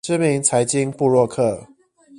知名財經部落客